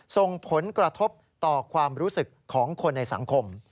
ส่งผลกระทบต่อความรู้สึกของคนในสังคม